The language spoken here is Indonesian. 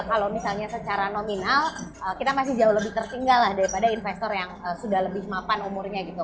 kalau misalnya secara nominal kita masih jauh lebih tertinggal lah daripada investor yang sudah lebih mapan umurnya gitu